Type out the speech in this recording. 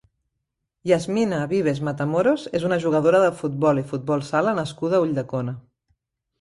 Yasmina Vives Matamoros és una jugadora de futbol i futbol sala nascuda a Ulldecona.